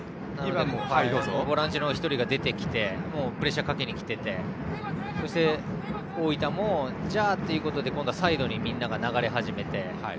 ボランチの１人が今も出てきてプレッシャーをかけにきていてそして、大分もじゃあということで今度はみんなサイドに流れ始めて。